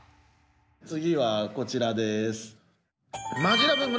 次はこちらです。